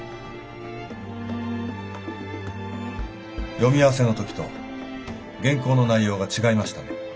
読み合わせの時と原稿の内容が違いましたね。